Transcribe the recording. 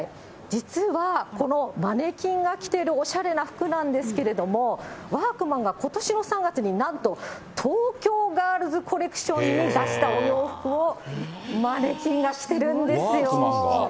実はこのマネキンが着てるおしゃれな服なんですけれども、ワークマンがことしの３月に、なんと東京ガールズコレクションに出したお洋服をマネキンが着てワークマンが？